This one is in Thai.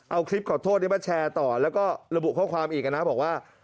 เอาคลิปขอโทษนี้มาแชร์ต่อแล้วก็ระบุข้อความอีกนะบอกว่า